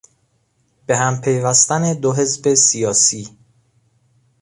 به هم پیوستن دو حزب سیاسی